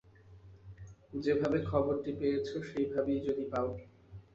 যেভাবে খবরটি পেয়েছ, সেইভাবেই যদি পাও।